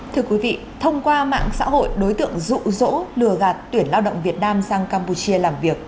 thưa quý vị thông qua mạng xã hội đối tượng rụ rỗ lừa gạt tuyển lao động việt nam sang campuchia làm việc